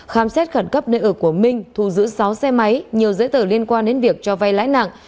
khám xét khẩn cấp nơi ở của minh thu giữ sáu xe máy nhiều giấy tờ liên quan đến việc cho vay lãi nặng